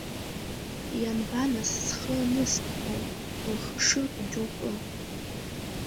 Ианба нас схы аныстәхо, рхы шыртәу џьоукы?